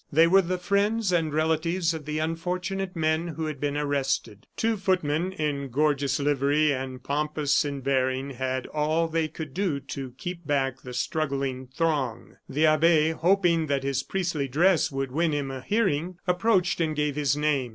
They were the friends and relatives of the unfortunate men who had been arrested. Two footmen, in gorgeous livery and pompous in bearing, had all they could do to keep back the struggling throng. The abbe, hoping that his priestly dress would win him a hearing, approached and gave his name.